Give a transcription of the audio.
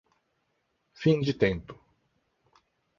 Fim de tempo